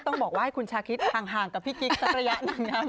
ต้องบอกว่าให้คุณชาคิดห่างกับพี่กิ๊กสักระยะหนึ่งครับ